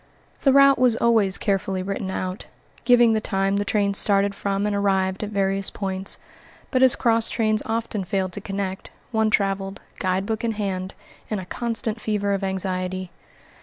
The route was always carefully written out, giving the time the trains started from and arrived at various points; but as cross trains often failed to connect, one traveled, guidebook in hand, in a constant fever of anxiety.